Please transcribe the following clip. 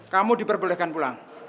kamu diperbolehkan pulang